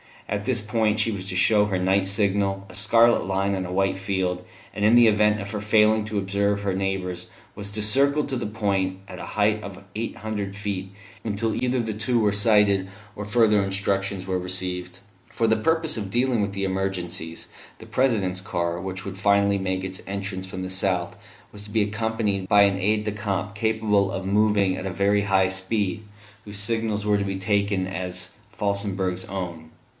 At this point she was to show her night signal, a scarlet line on a white field; and in the event of her failing to observe her neighbours was to circle at that point, at a height of eight hundred feet, until either the two were sighted or further instructions were received. For the purpose of dealing with emergencies, the President's car, which would finally make its entrance from the south, was to be accompanied by an aide de camp capable of moving at a very high speed, whose signals were to be taken as Felsenburgh's own.